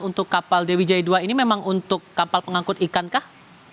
untuk kapal dewi j dua ini memang untuk kapal pengangkut ikankah